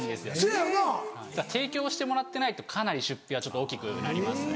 だから提供してもらってないとかなり出費は大きくなりますね。